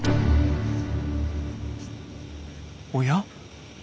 おや？